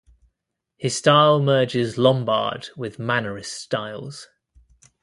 His style merges Lombard with Mannerist styles.